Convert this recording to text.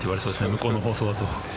向こうの放送だと。